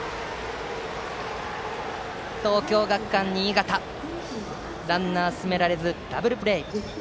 東京学館新潟はランナーを進められずダブルプレー。